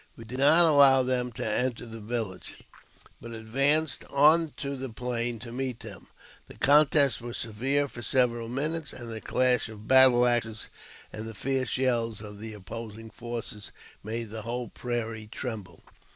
We did not allow them to enter the village, but advanced on the plain to meet them. The contest was severe for several minutes, and the clash of battle axes and the fierce yells of the opposing forces made the whole prairie tremble.